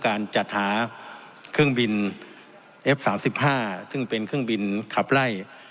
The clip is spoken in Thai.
การจัดหาเครื่องบินเอฟ๓๕ซึ่งเป็นเครื่องบินขับไล่